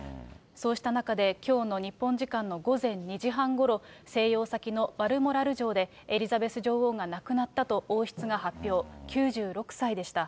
そうした中できょうの日本時間の午前２時半ごろ、静養先のバルモラル城でエリザベス女王が亡くなったと王室が発表、９６歳でした。